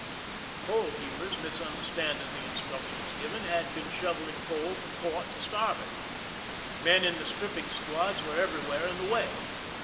The coal heavers, misunder standing the instructions given, had been shoveling coal from port to starboard. Men in the stripping squads were everywhere in the way.